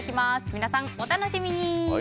皆さん、お楽しみに。